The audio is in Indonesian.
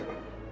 kok bisa ibu